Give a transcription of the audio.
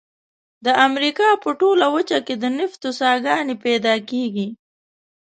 د امریکا په ټوله وچه کې د نفتو څاګانې پیدا کیږي.